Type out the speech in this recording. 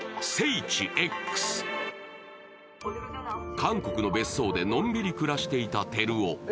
韓国の別荘でのんびり暮らしていた輝夫。